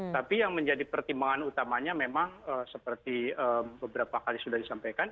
tapi yang menjadi pertimbangan utamanya memang seperti beberapa kali sudah disampaikan